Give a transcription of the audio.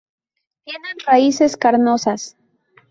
Tienen raíces carnosas.